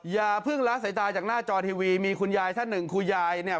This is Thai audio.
อย่าเพิ่งละสายตาจากหน้าจอทีวีมีคุณยายท่านหนึ่งคุณยายเนี่ย